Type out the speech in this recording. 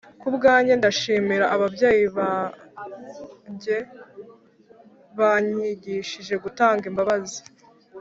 Kubwanjye ndashimira ababyeyi babnjye banyigishije gutanga imbabazi